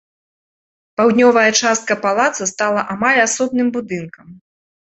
Паўднёвая частка палаца стала амаль асобным будынкам.